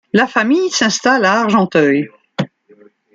La famille s’installe à Argenteuil.